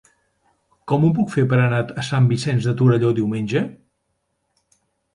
Com ho puc fer per anar a Sant Vicenç de Torelló diumenge?